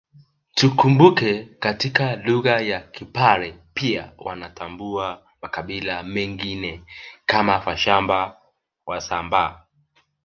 Tukumbuke katika lugha ya Kipare pia wanatambua makabila mengine kama Vashamba Wasambaa